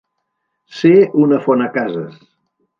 Ser un afonacases.